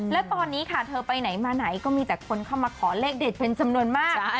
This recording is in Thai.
แล้วตอนนี้ค่ะเธอไปไหนมาไหนก็มีแต่คนเข้ามาขอเลขเด็ดเป็นจำนวนมาก